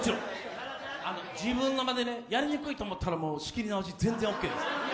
自分の間でね、やりにくいと思ったら仕切り直しで全然いいです。